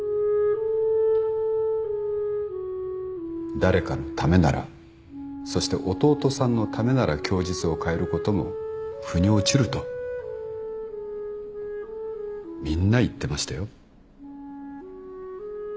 誰かのためならそして弟さんのためなら供述を変えることもふに落ちるとみんな言ってましたよ。